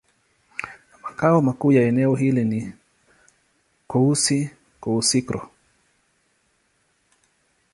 Makao makuu ya eneo hilo ni Kouassi-Kouassikro.